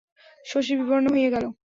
শশী বিবর্ণ হইয়া গেল।